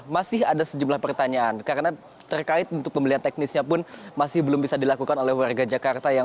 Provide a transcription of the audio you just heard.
masih ada sejumlah pertanyaan karena terkait untuk pembelian teknisnya pun masih belum bisa dilakukan oleh warga jakarta